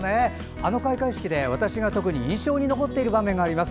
あの開会式で私が特に印象に残っている場面があります。